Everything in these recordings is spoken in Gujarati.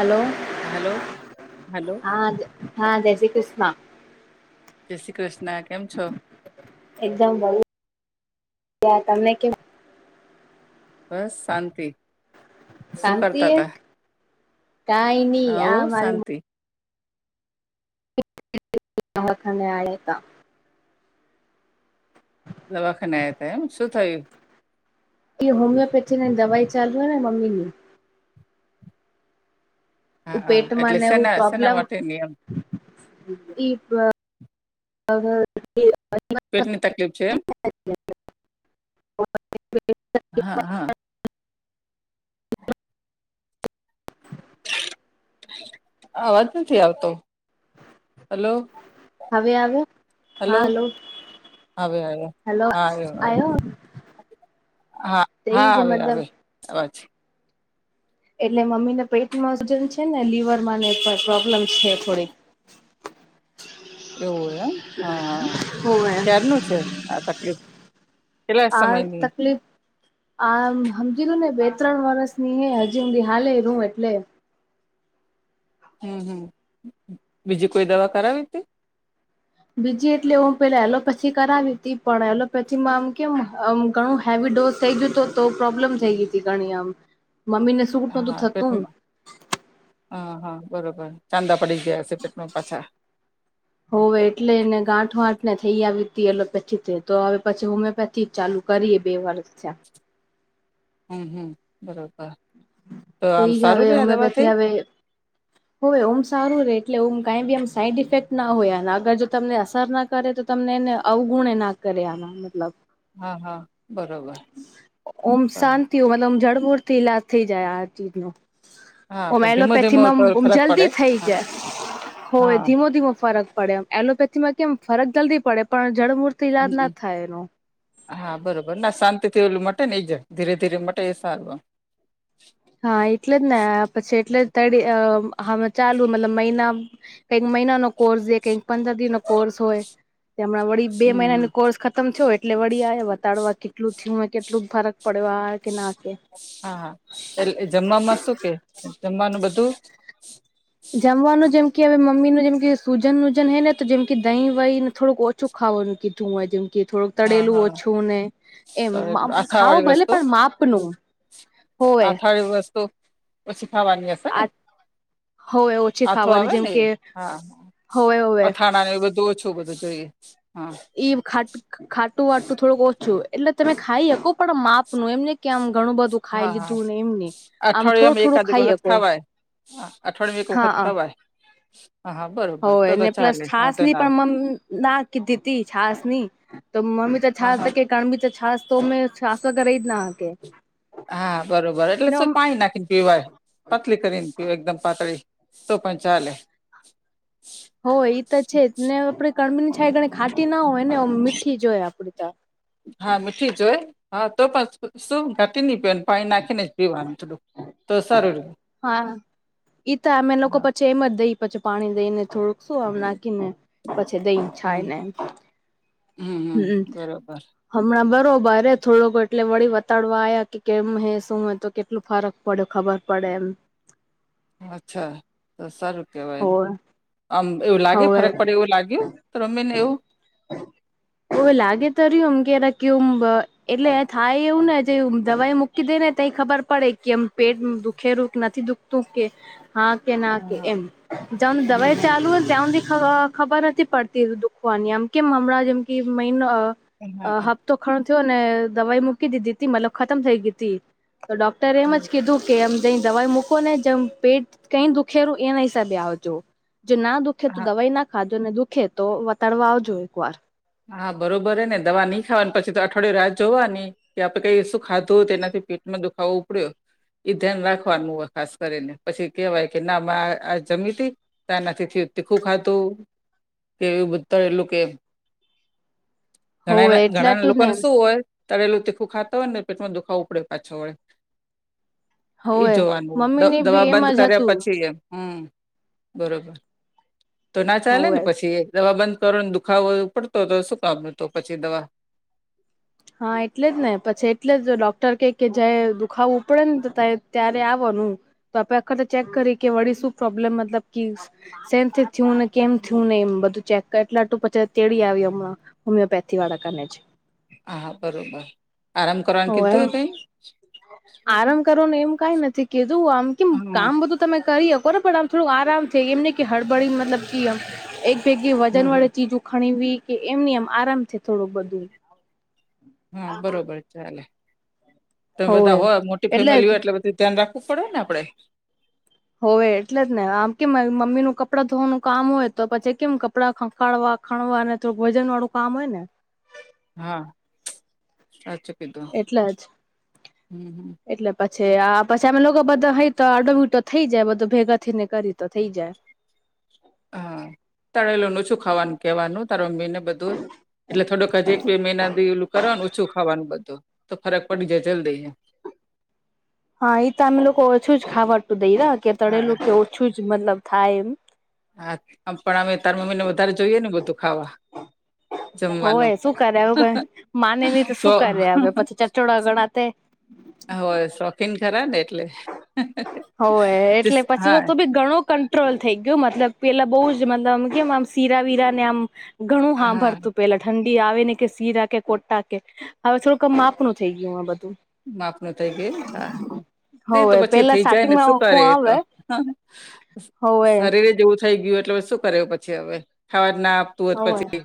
હલો, હલો હલો [unintelligible] હા જય શ્રી કૃષ્ણ. જય શ્રી કૃષ્ણ. કેમ છો? એકદમ [inaudible] તમે કેમ બસ શાંતિ. શું કરતા તા? કાંઈ ની. હવ આ મારી [unintelligible] શાંતિ [inaudible] દવાખાને આયાતા. દવાખાને આયા તા એમ. શું થયું? કે હોમિયોપેથીની દવાઈ ચાલુ હે ને મમ્મીની. ઉ હા હા પેટમાં એટલે ને એવું સેના સેના પ્રોબ્લેમ માટેની એમ [inaudible] પેટની તકલીફ છે એમ? હા, હા. અવાજ નથી આવતો. હલો. હવે આવ્યો? હા, હલો. હવે આવ્યો હેલો. હા આવ્યો આવ્યો આયો હવે? હા, હા હવે આવે અવાજ. એટલે મમ્મીને પેટમાં સુજન છેને, લિવરમાં [unintelligible] પ્રોબ્લેમ છે થોડીક. એવું એમ? હા, હા. હોવે ક્યારનું છે આ તકલીફ? કેટલા આ સમયની તકલીફ આમ હમજી લો ને બે ત્રણ વરસની હે, હજી હુધી હાલેરું એટલે હમ્મ-હમ્મ. બીજી કોઈ દવા કરાવી તી? બીજી એટલે ઓમ પેલા એલોપેથી કરાવી તી, પણ એલોપેથીમાં આમ કેમ આમ ઘણો હેવી ડોઝ- થ‌ઈ ગયું તો-તો પ્રોબ્લેમ થઈ ગઈ તી ઘણી આમ. મમ્મીને હા પેટમાં, હા, હા બરોબર. ચાંદા પડી ગયા હશે પેટમાં પાછા. હોવે એટલે એને ગાંઠ-વાંઠને થઈ આવી તી એલોપેથીથી, તો હવે પછી હોમિયોપેથ થી જ ચાલુ કરીએ બે વર્ષ થયા. હમ્મ હમ્મ બરાબર. તો આમ એ જ સારું રહેે આ દવાથી? હોવે ઓમ સારું રે એટલે ઓમ કંઈ બી એમ સાઈડ ઇફેક્ટ ના હોય અને આગળ જો તમને અસર ના કરે તો તમને એને અવગુણેય ના કરે આમાં મતલબ. હા હા બરોબર ઓમ સારું શાંત [unintelligible] મતલબ આમ જડમૂળ થી ઈલાજ થઈ જાય આ ચીજનો. હા ઓમ પણ ધીમો ધીમો એલોપેથીમાં તો આમ ઓમ ફરક પડે જલ્દી થઈ હા જાય. હોવે. હા ધીમો-ધીમો ફરક પડે આમ. એલોપેથી માં કેમ ફરક જલ્દી પડે પણ જળમૂર્થી હમ ઈલાજ ના હમ થાય એનો. હા બરોબર. ના શાંતિથી ઓલું મટે ને જ ધીરે ધીરે માટે એ સારું આમ. હા, એટલે જ ને પછી એટલે તયડી અહ હ હવે ચાલુ મતલબ મહિના કંઈક મહિનાનો કોર્સ દયે. કંઈક પંદરદિનો કોર્સ હોય. કે હમણાં વળી બે હમ મહિનાનો હમ. કોર્સ ખતમ થયો એટલે વળી આયા વતાડવાથી લું થીયુંમાં કેટલુંક ફરક પડવા કે ના કે હા હા એટલે જમવામાં શું કે જમવાનું બધું જમવાનું જેમકે હવે મમ્મીનું જેમ કે સુજન વુજન હે ને તો જેમ કે દહીં વહી ને થડુંક ઓછું ખાવાનું કીધું હોય જીમ. કે થોડુંક હા તળેલું હા ઓછું ને એમ. આમ આથા ખાવ ભલે પણ માપનું. હોવે આથાળી વસ્તુ પછી ખાવાની હૈ. આથ આથો આવે ને હા હા હોવે હોવે અથાણા ને એ બધું ઓછ શું બધું જોઈએ? હા. ઈ ખાટ ખાટું વાટું થોડુંક ઓછું એટલે તમે ખાઈ હકો પણ માપનું. એમ નઈ કે આમ ઘણું બધું ખાઈ હા હા લીધું ને એમની. આમ થોડું અઠવાડિયામાં થોડું એકાદ એક ખાઈ વખત હકો. ખવાય હા, અઠવાડીયામાં એક વખત ખવાય. હા હા બરો હો ને પ્લસ છાસની પણ મમ ના કીધી હતી છાસની. તો મમ્મી તો આવે હા છાસકે કાણબી તો છાસ તો એમને છાસ વગર રહી જ ના હકે. હા બરોબર એટલે ને શું પાણી નાખીને પીવાય. પતલી કરીને પીવાય એકદમ પાતળી. તો પણ ચાલે. હો ઈ તો છેજ ને આપડે કણબીની છાશ ગણી ખાટી ના હોય ને મીઠી જોય આપડી તો. હા મીઠી જ હોય. હા તોપણ શું ઘાટી નય પીવાની પાણી નાખીને જ પીવાની થોડું. તો સારું રેહ. હા ઈ તો આમે લોકો પછ તેમ અ દઈ પછી પાણી દઈને થોડુંક શું આમ નાખીને પછી દઈને હમ છાયને એમ. હમ હમ હમ્મ, હમ્મ. બરોબર હમણાં બરોબરે થોડો એટલે વળી વતાડવા આવ્યા કે કેમ હે શું હોય તો કેટલું ફરક પડે ખબર પડે એમ. અચ્છા તો સારું કેહવાય એમ. હોવે આમ એવું લાગે હોવે ફરક પડે એવું લાગ્યું તો રમમી ને એવું? ઓવે લાગે તે રહ્યું એમ કે કેમ એટલે થાય એવું ને જે દવાઈ મૂક કીધે ને તઈ ખબર પડે કે એમ પેટ દુઃખે રું કે નથી દુખતું કે હા કે ના હા કે હા એમ જને હમ દવાઈ હમ ચાલુ હોય ત્યાથી હુંદી ખબ-ખબર નથી હતી પડતી દુખવાની એમ કેમણાં જેમ કે મેન અહ હા અહ હા હપ્તો ખણો થયો ને દવાઈ મૂકી દીધી ત મલ ખતમ થઈ ગી હતી તો ડોક તરે હમ. એમજ કીધું કે એમ જ દવાઈ મૂકો ને જેમ પેટ કઈ દુખેલું એના હિસાબે આવજો. જે ના દ ખે તો દવાઈ ના ખાજો ને દુખે તો વતાડવા આવજો એક વાર. હા, બરોબર હે ને દવા નઈ ખાવા પછી તો અઠવાડિય રાત જોવાની કે આપડે કઈ શું ખાધું હોય તેનાથી પેટમાં દુખાવો ઉપડ્યો. એ ધ્યાન રાખવાનું હોય ખાસ કરીને પછી કેહેવાય કે ના આ આ જમીથી ત્યાં નથી તીખું ખાતું કે એવું બધા એલું કે હોવે ઘણા એટલે ઘણા આટલું જ ને લોકોને શું હોય તળેલું તીખું ખાતા હોય ને પેટમાં દુખાવો ઉપડે પાછો વડે. એ હોવે જોવાનું મમ્મી ને બી દવા એમ બંધ જ કર્યા હતું પછી એમ હમ બરોબર. તો ના ચાલે હોવે ને પછી દવા બંધ કર ઓ ને દુખાવોવું પડ તો તો શું કામ નો તું પછી દવા હા, એટલે જ ને પછી એટલે જ ડોક્ટર ક કે જ દુખાવો ઉપડે ને તો ત્યા-ત્યારે આવાનું. તો આપડા ખાતે ચેક કરી કે વળી શું પ્રોબ્લેમ મતલબ કિસ સેમ થયું ને કેમ થયું ને એમ બધું ચેક એટલા ટું પછી તેડી આવ હમણાં. હોમિયોપેથી વાળા કર છે. હા હા બરોબર આરામ કરવાનું હોવે કીધુંય કઈ. આરામ કરવાનું એમ કઈ નથી કીધું આમ કેમ હા કામ બધું તમે કરી ખ પણ આમ. થોડ આરામ થ એમને કે હડ બડી મતલબ કેમ. એક ભેગી હમ વજન વાળે હમ ચીજું ખણીવી કે એમની આમ આરામ છે થોડુંક બધું. હા બરોબર ચાલે તમે હોવે બધા હોય મોટી ફેમિલી હોય એટલે બધી. ધ્યાન રાખવું પડેને આપડે. હોવે એટલે જ ને આમ કેમ મમ્મીનુંું કપડાં ધોવાનું કામ હોય તો પછી કેમ કપડાં ખંખડવા. ખણવા અનેને તો વજન વાળું કામ હોય ને. હા સાચ કીધો એટલે જ હ હ. એટલે પછી આ પછી અમે લોકો બધા હય તો અડોબીટો થઈ જાય બધું ભેગા થઈને કરી તો થઈ જાય. હા તળેલુંનું ઓછું ખાવાનું કેવાનું તારું મમ્મી ને બધું. એટલે થોડુંક હ જ એક બે મહિનાથી એલું કરવાનું ઓછું ખવાનું બધું તો ફરક પડી જાય જલ્દી. હા એ તો અમે લોકો ઓછું જ ખાવાતું દઈ ર કે તણેેલું હા કે ઓછું જ મતલબ થાય એમ. હામ પણ અમે તાર મમ્મીને વધારે જોઈએ ને બધું ખાવા. જમવાનું હોય શું કરે એું ક માને નહી તો સો શું કરે હ પછી ચચોડા ગણા તે. હોય શોખીન ખરા ને એટલે. હો એ એટલે જસ- પછી હા તો ભી ઘણો ક ટ્રોલ થઈ ગયું મતલબ પેલા બહુ જ મતલ કેમ આમ સીરા વિરા ને આમ. ઘણું હા ભરતું પેલા. ઠંડી આવે ને કે સીરા કે કોટા કે હવે થોડુંક માપનું થઈ ગયું આ બધું. માપ ન થ કે હા તે તો હોવે બચી પેલા થઈ જાય ને સ્ટાર્ટિંગમાં શું ઓખું કરે તો આવે હોવે જેવું થઈ ગયું એટલે શું કરે પછી હવે ખાવા જ ના આપતું હો જ હોવે પછી.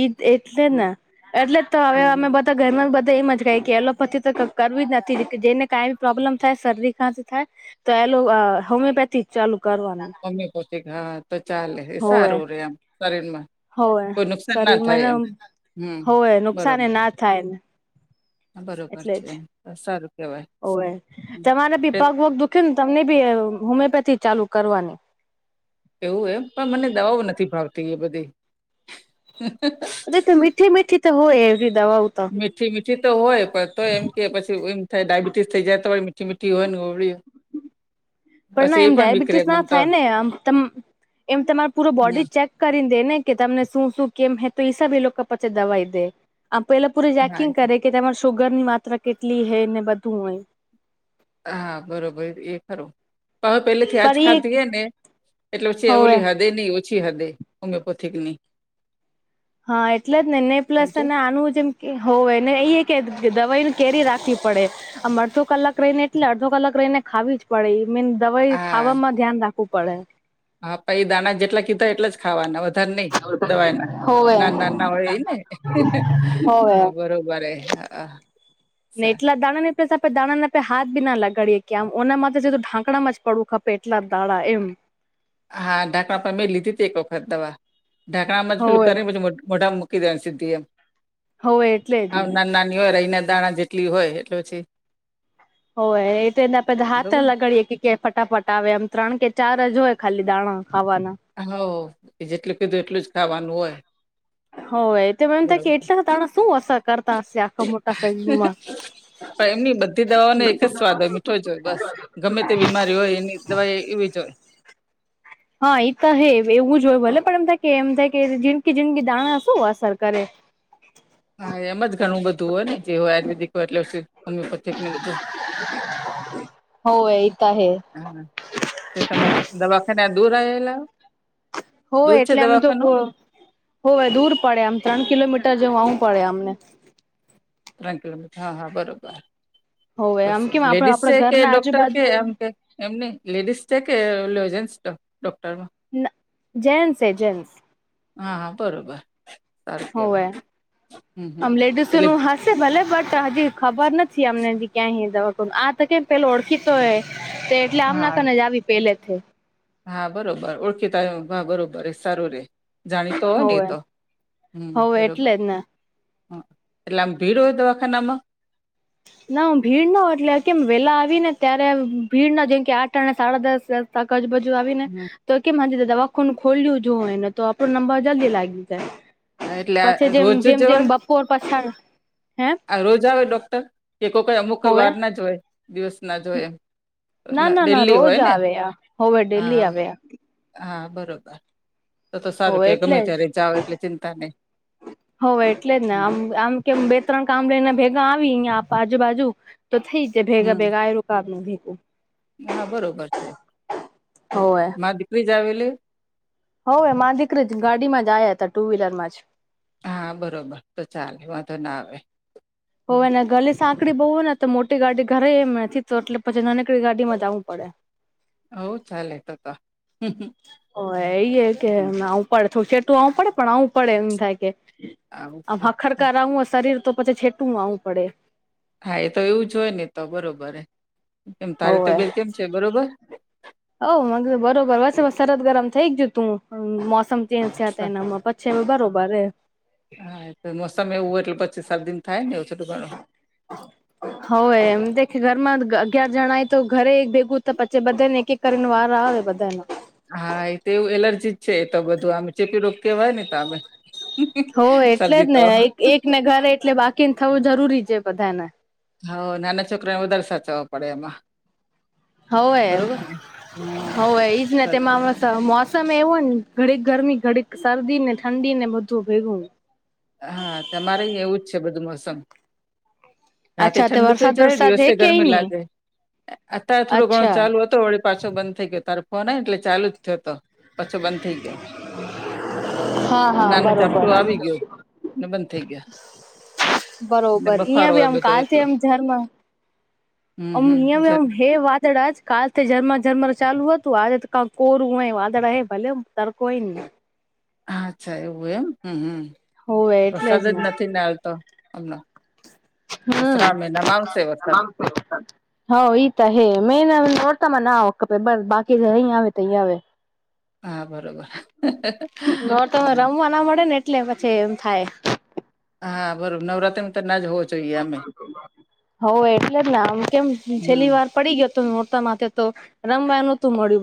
ઈ એટલે હમ ને એટલે તો હવે અમે હમ. બધા તો ઘરમાં બધા એમ જ કાય કે એલોપેથી તો કરવી જ નથી જેને કાંઈ બી પ્રોબ્લેમ થાય શરદી ખાંથી થાય તો એલો હોમિયોપેથી ચાલુ કરવાના. હોમિયોપેથિક હા તો ચાલે હોવે સારું રે આમ શરીરમાં. હોવે કોઈ નુકસાન ના શરીરમાં થાય એમ હમ હોવે નુકસાન બરોબર. ના થાય બરોબર એટલે છે જ એ સારું કેવાય. હોવે તમારે બી પગ વગ તમને બી હોમિયોપેથી ચાલુ કરવાની. એવું એમ પણ મને દવાઓ નથી ભાવતી એ બધી અરે તો મીઠી મીઠી તો હોય એવી દવાઓ તો. મીઠી મીઠી તો હોય પણ તો એમ કે પછી એમ થાય ડાયબિટીસ થઈ જાય તોી મીઠી મીઠી હોય ને ગોળી. પણ ના પછી એ એમ બીકરે ડાયાબિટીસ ના મન તો થાય નેમ એમ તમારો પૂરો હમ બોડી ચેક કરી દે ને કે તમને શું શું કેમ હે તો હિસાબે એ લોકો પછી દવાઈ દે. આ પેલા પૂરે ચેકિંગ હા કરે કે તમારે સુુગર ની માત્રા કેટલી હૈ ને બધું હોય. હા બરોબર એ ખરું હ હ પેલે થી આજ ખાધી એ ને એટલે પછી એ હોવે ઓલી હદે ની ઓછી હદે હોમિયોપેથિક ની હા એટલે જ ને ને પ્લસ સમજે અને આનું જેમ હોવેયને એઈ કે દવાઈ ન કેરી રાખવી પડે આમ અડધો કલાક રહીને એટલે અડધો કલાક રહીને ખાવી જ પડડી મીન દવાઈ હા ખાવામાં ધ્યાન રાખવું પડે. હા પહિ એ દાણા જેટલા કીધા એટ જ ખાવાના. નહી દવા ના હોવે ના ના ના હોય એ ને હોવે હા બરોબર હે. ને સા એટલા દાડા ની આપે દાણા આપે હાથ બી ના લગાડીએ કે આમના માટે ઢાંકણામાં જ પડવું ખપે એટલા દાણા એમ. હા ઢાંકણા પર મેં લીધી હતી. એક વખત દવા ઢાકણામાં જ પેલું હોવે કરીને પછી મોઢા મૂકી દે સધી એમ હોવે એટલે જ ને ના નાની હોય એહીને દાણા જેટલી હોય એટલે પછી હો એને આપ હા બરોબર લગાડીએ કે કે ફટાફટ આવે એમ ત્રણ કે ચાર જ હોય ખાલી દાણા ખાવાના. હ એ જેટલું કીધું એટલું જ ખાવાનું હોય. હો એ એમ થ કે બરોબર એટલા દાણા શું અસર કરતા હશે આટલા મોટા શરીરમાં. પણ એમની બધી દવાઓને એક જ સ્વાદ હોય મીઠો જ હોય બસ ગમે તે બીમારી હોય એની દવાઈ એવી જ હોય. હા એ તો હે એવું જ હોય ભલે પણ એમ થાય કે એમ થાય કે જીન્કી-જીનકી દાણા શું અસર કરે? હા એમ જ ઘણું બધું હોય ને જેવું આયુવેદિક હોય એટલે હોમિયોપેથિક નું બધું. હો એ તો હે. હા તો તમે દવાખાના દૂર આવેેલા? હો એટલે અમને તો હોવે દૂર પડે આમ ત્રણ કિલોમીટર જવું પડે અમને. ત્રણ કિલોમીટર હા હા હોવે આમ કેમ બરોબરું આપડ લેડીસ આપડા છે કે ઘરના ડોક્ટર કે આજુબાજુ એમ કે એમની લેડીસ છે કે જેન્ટ્સ તો ડોક્ટરમાં? ના જેન્ટસ એ જન્સ. હા હા બરોબર. સારું હોવે કેવાય હમ હમ આમ લેડીસ એટલે નું હા ભલે બટ હજી ખબર નથી અમને ક્યાં દવા આ તો કેમ પેલ ઓળખી તો હ તો એટલે આમના હા કને જ આવી પેલેથી. હા બરોબર ઓળખીતા આવ હા બરોબર સારું રે જાણીતો હોય ને એ હોવે તો, હમ હોવે બરોબર. એટલે જ ને હમ એટલે આમ ભીડ હોય દવાખાનામાં? ના હ ભીડ ન હો એટલે કેમ વેલા આવી ને ત્યારે ભીડ ન જેમ કે આઠ અને સાડા દસ તક આજુ-બાજુ આવીને હમ તો કેમ હ દવાખાનું ખોલ્યું જો હોને, તો આપડો નંબર જલ્દી લાગી જાય. એટલે આ પછી જેમ રોજ જેમ જ જેમ હોય બપોર પાછાળ, હે? રોજ આવે ડોક્ટર, કે કોકઈ અમુક હોવે વાર ના જોય દિવસ ના જોય એમ? ના ના ના ડેલી રોજ હોય ને આવે આ હવે ડેલી હા આવે આ. હા બરોબર. તો તો હો સારું કે એટલે ગમે ત્યારે જાઓ જ એટલે ચિંતા નહી હો એટલે જ ને હમ આમ આમ કે બે ત્રણ કામ લઈને ભેગા આવી અયા આજુબાજુ તો થઈ જાય ભેગા હમ. ભેગા [inaudible] [unintelligible] હા બરોબર છે હોવે દીકરી જ આવેલી હવે મા દીકરી જ ગાડીમાં જ આવ્યા હતા ટુ વ્હીલરમાં જ. હા બરોબર તો ચાલે વાંધો ના આવે. હોવે એના ગલી સાંકડી બહુ હો ને, તો મોટી ગાડી ઘરે એમ નથી તો એટલે પછી નાનકડી ગાડીમાં જવું પડે. હવ ચાલે તો તો. ઓ એ એ કે આવું પડે થ છેેટું આવું પડે પણ આવું પડે એમ થાય કે આવું આમ પડે હખડકારાવું હો શરીર તો પછી છેટુંમાં આવું પડે. હા એ તો એવું જ હોય ને તો બરોબર કેમ તારી હોવે તબિયત કેમ છે બરોબર. હવ મ બરોબર શરીર ગરમ થઈ જ ગયું તું મોસમ ચેન્જ થયા ત સા એનામાં પછી એમ બરો બાર રે. હા એ તો મોસમ એવું હોય એટલે પછી શરદીને થાય નેવ થોડું ઘણું [inaudible] હોવે એમ. દેખે ઘરમાં અગિયાર જણા હે તો ઘરે ભેગું તો પછી બધે ને એક-એક કરી વાર બધામાં. હા એ તો એવું એલર્જી જ છે એ તો બધું આમે ચેપી રોગ કેવાય ને તામે. હો એટલે જ ને એક એક ને ઘરે એટલે બાકીને થવું જરૂરી છે બધાને. હોવ નાના છોકરાઓને વધારે સાચવો પડે એમાં. બરોબર ને હા હોવે-હોવ. ઈજ ને સાચે તેમાં છે. [unintelligible] તમે એવું હોય ને ઘડીક ગરમી, ઘડીક શરદી ને, ઠંડી ને બધું ભેગું. હા તમારેઈ અહીં એવું જ છે બધું મોસમ. રાતે અચ્છા તો ઠંડુ થઈ વરસાદ જાય, વરસાદ હે દિવસે કે ગરમી નહી લાગે. અત્યારે થોડો ઘણો અચ્છા ચાલુ હત તો વળી પાછો બંધ થઈ ગયો. તારો ફોન આવ્યો ને એટલે ચાલુ જ થયો હતો. પાછો બંધ થઈ ગયો. હા હા નાનું જપટું બરોબર આવી ગયું. ને બંધ થઈ ગયા. અને બરોબર ઈ બફારો બી હોય આમ બધો કાલ એકલો થયમ ઝરમાં. હમ હ હ હમ મે જ્યારે હે વાત વાદજ કાલ રમર ઝમર ચાલુ હતું આજે ક કોરું હોય વાદળ ભલે તરકો હોય. હ અચ્છા એવું એમ હમ હમ, હોવે એટલે વરસાદ જ ને નથી નાાલતો હમણા. અસરાણ મહના નામસે વસાત. બ [unintelligible] હ તા હે મેન નોડતામાં નાે બ બાકી અહીં આવે ત અહીં આવે. હા બરોબર હા. [unintelligible] એટલે પછી એમ થાય. હા બરોબર નવરાત્રીમાં તો ના જ હોવ. હો એટલે જ નામ કેમ હમ છેલ્લી વાર પડી ગયો હતો મોરતા માટેથે, તો રમવાનું તું મળ્યું.